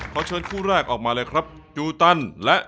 จางเลี่ยงช่วยแนะนำอาหารของคุณด้วยนะครับ